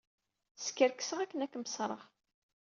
Skerkseɣ akken ad kem-ṣṣreɣ.